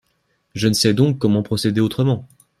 Je ne sais donc comment procéder autrement.